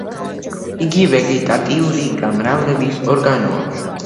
იგი ვეგეტატიური გამრავლების ორგანოა.